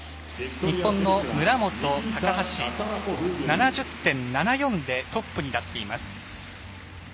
日本の村元、高橋７０．７４でトップに立っています。